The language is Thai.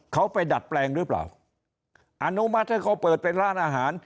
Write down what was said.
เขาไปดัดแปลงหรือเปล่าอนุมัติให้เขาเปิดเป็นร้านอาหาร